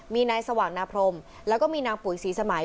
มีนายสว่างนาพรมแล้วก็มีนางปุ๋ยศรีสมัย